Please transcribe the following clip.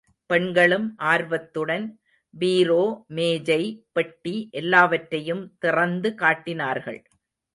பெண்களும் ஆர்வத்துடன் பீரோ, மேஜை.பெட்டி எல்லாவற்றையும் திறந்து காட்டினார்கள்.